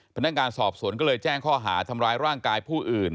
พนักงานสอบสวนก็เลยแจ้งข้อหาทำร้ายร่างกายผู้อื่น